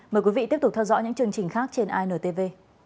mời quý vị tiếp tục theo dõi những chương trình khác trên intv